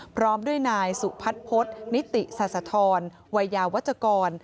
พร้อมด้วยนายสุพัฒนพฤษนิติศาสธรวัยยาวัชกร